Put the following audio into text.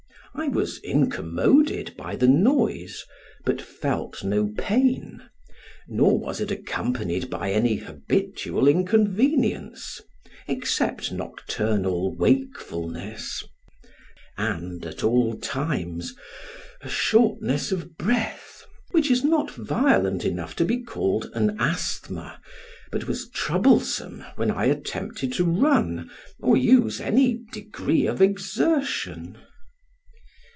I was incommoded by the noise, but felt no pain, nor was it accompanied by any habitual inconvenience, except nocturnal wakefulness, and at all times a shortness of breath, which is not violent enough to be called an asthma, but was troublesome when I attempted to run, or use any degree of exertion.